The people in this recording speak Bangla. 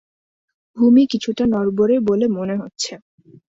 ভূমি কিছুটা নড়বড়ে বলে মনে হচ্ছে।